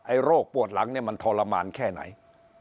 โรคปวดหลังเนี่ยมันทรมานแค่ไหน